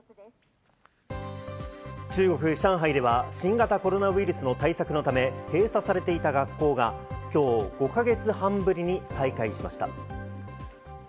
中国・上海では新型コロナウイルスの対策のため閉鎖されていた学校が、今日５か月半ぶりに再会しました。